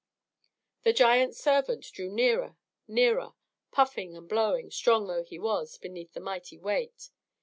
The giant servant drew nearer, nearer, puffing and blowing, strong though he was, beneath the mighty weight.